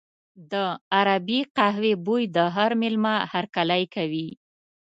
د عربي قهوې بوی د هر مېلمه هرکلی کوي.